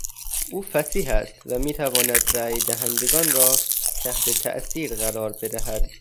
او فصیح است و میتواند رای دهندگان را تحت تاثیر قرار بدهد.